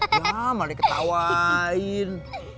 ya malah diketawain